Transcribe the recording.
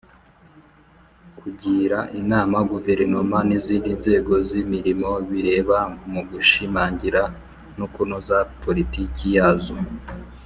kugira inama guverinoma n’izindi nzego z’imirimo bireba mu gushimangira no kunoza politiki yazo